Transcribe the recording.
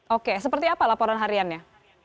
oke seperti apa laporan hariannya